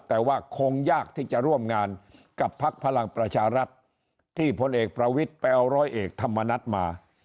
แต่ว่าคงยากที่จะร่วมงานกับพักพลังประชารัฐที่พลเอกประวิทย์ไปเอาร้อยเอกธรรมนัฐมา